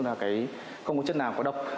là cái không có chất nào có độc